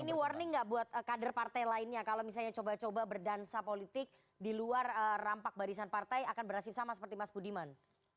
ini warning nggak buat kader partai lainnya kalau misalnya coba coba berdansa politik di luar rampak barisan partai akan berhasil sama seperti mas budiman